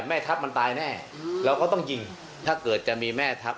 แม่ทัพมันตายแน่เราก็ต้องยิงถ้าเกิดจะมีแม่ทัพ